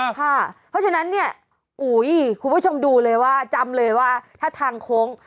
เพราะฉะนั้นเนี่ยคุณผู้ชมดูเลยว่าจำเลยว่าถ้าทางโค้ง